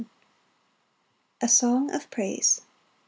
A song of praise.